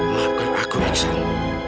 maafkan aku iksan